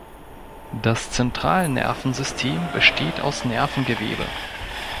Das Zentralnervensystem besteht aus Nervengewebe.